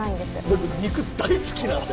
僕肉大好きなんで。